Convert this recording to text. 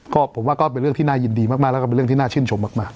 ก็ผมว่าก็เป็นเรื่องที่น่ายินดีมากแล้วก็เป็นเรื่องที่น่าชื่นชมมาก